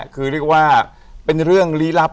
คือเรียกว่าเป็นเรื่องลี้ลับ